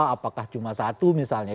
apakah cuma satu misalnya